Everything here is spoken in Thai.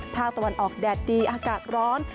ภาคตะวันออกแดดดีอากาศร้อน